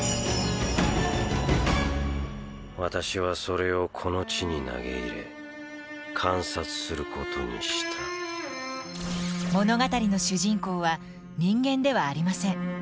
私はそれをこの地に投げ入れ観察することにした物語の主人公は人間ではありません。